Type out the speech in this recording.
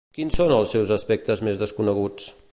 Quins són els seus aspectes més desconeguts?